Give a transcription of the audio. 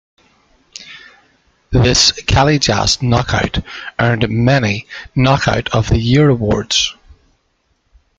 This Callejas knockout earned many "knockout of the year" awards.